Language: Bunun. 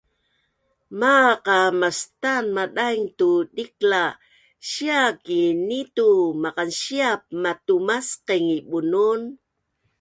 maaq a mastaan madaing tu diklaa sia ki nitu maqansiap matumasqing i bunun